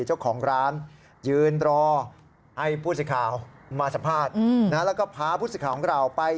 เจ้าของร้านยืนรอให้ผู้สิทธิ์ข่าวมาสัมภาษณ์แล้วก็พาผู้สิทธิ์ของเราไป